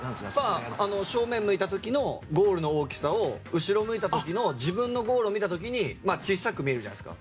正面を向いた時のゴールの大きさを後ろ向いた時の自分のゴールを見た時に小さく見えるじゃないですか。